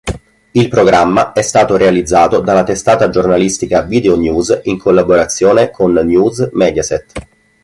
Il programma è stato realizzato dalla testata giornalistica Videonews in collaborazione con News Mediaset.